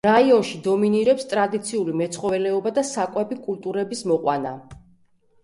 რაიონში დომინირებს ტრადიციული მეცხოველეობა და საკვები კულტურების მოყვანა.